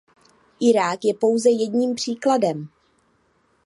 Irák je pouze jedním příkladem.